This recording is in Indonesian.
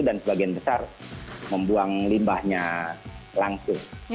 dan sebagian besar membuang limbahnya langsung